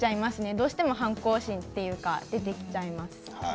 どうしても反抗心というか出てきちゃいます。